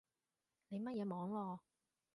你乜嘢網路